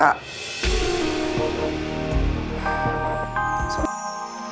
aku harus berpikir dengan jernih